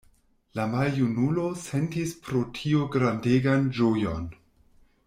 La maljunulo sentis pro tio grandegan ĝojon.